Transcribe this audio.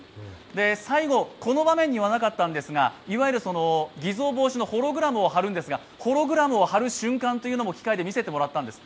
最後、この場面にはなかったんですがいわゆる偽造防止のホログラムを貼るんですが、ホログラムを貼る瞬間機械で見せてもらったんです。